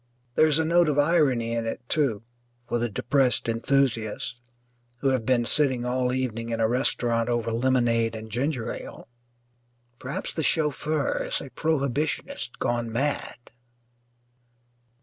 There is a note of irony in it, too, for the depressed enthusiasts who have been sitting all evening in a restaurant over lemonade and ginger ale. Perhaps the chauffeur is a prohibitionist gone mad.